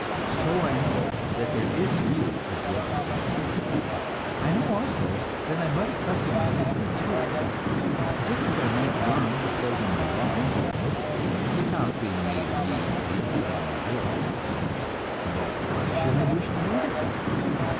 So I know that there is really a drug in tea. I know also that I might accustom my system to it, just as I might learn to poison my lungs with nicotine without being made immediately and suddenly ill; but why should I wish to do this?